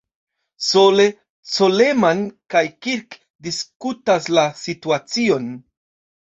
Sole, Coleman kaj "Kirk" diskutas la situacion.